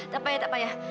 tak payah tak payah